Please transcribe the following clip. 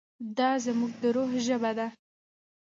دا زموږ د روح ژبه ده.